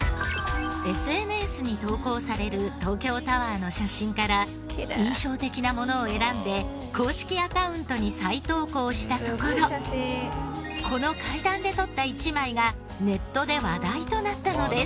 ＳＮＳに投稿される東京タワーの写真から印象的なものを選んで公式アカウントに再投稿したところこの階段で撮った一枚がネットで話題となったのです。